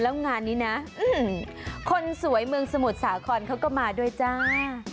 แล้วงานนี้นะคนสวยเมืองสมุทรสาครเขาก็มาด้วยจ้า